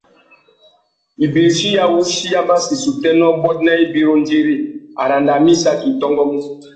Ibirichi ya wuchi ya massissa utênê ôbôt nà ibi râ undiri ; arandissaki amê i tôngômú.